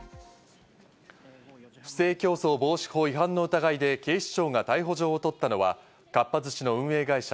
不正競争防止法違反の疑いで警視庁が逮捕状を取ったのは、かっぱ寿司の運営会社